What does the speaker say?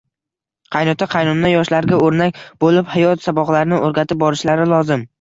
Qaynota-qaynona yoshlarga o‘rnak bo‘lib, hayot saboqlarini o‘rgatib borishlari lozim.